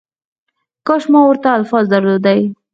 کاش ما ورته الفاظ درلودلای